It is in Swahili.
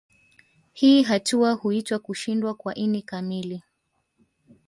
Hii hatua huitwa kushindwa kwa ini kamili